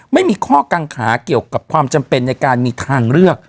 ไม่มีข้อกังขาเกี่ยวกับความจำเป็นในการมีทางเลือก